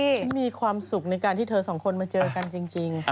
ฉันมีความสุขในการที่เธอสองคนมาเจอกันจริง